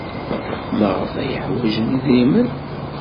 Maɣef ay ḥwajen idrimen?